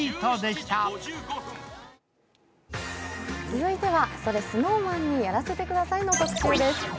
続いては「それＳｎｏｗＭａｎにやらせて下さい」の特集です。